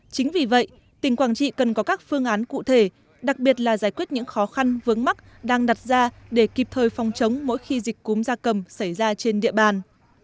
chính vì vậy tỉnh quảng trị cần có các phương án cụ thể đặc biệt là giải quyết những khó khăn vướng mắt đang đặt ra để kịp thời phòng chống mỗi khi dịch cúm gia cầm xảy ra trên địa bàn